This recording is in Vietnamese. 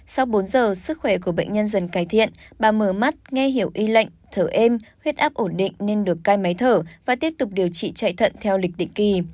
sau bốn giờ sức khỏe của bệnh nhân dần cải thiện bà mở mắt nghe hiểu y lệnh thở êm huyết áp ổn định nên được cai máy thở và tiếp tục điều trị chạy thận theo lịch định kỳ